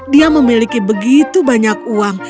dia memiliki begitu banyak uang